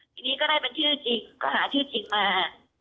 ทีนี้ก็ได้เป็นชื่อจริงก็หาชื่อจริงมา